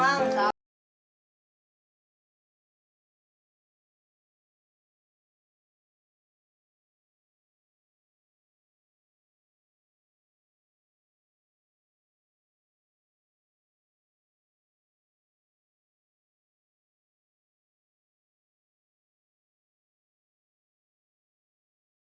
heeh udah selesai belum